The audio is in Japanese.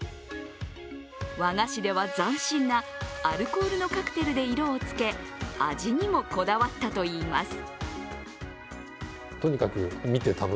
和菓子では斬新なアルコールのカクテルで色をつけ、味にもこだわったといいます。